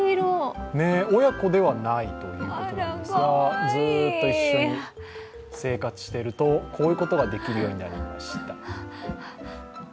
親子ではないということですがずっと一緒に生活してるとこういうことができるようになりました。